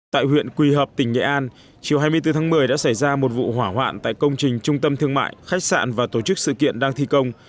tại huyện quỳ hợp tỉnh nghệ an chiều hai mươi bốn tháng một mươi đã xảy ra một vụ hỏa hoạn tại công trình trung tâm thương mại khách sạn và tổ chức sự kiện đang thi công